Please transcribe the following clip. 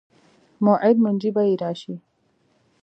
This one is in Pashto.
موعود منجي به یې راشي.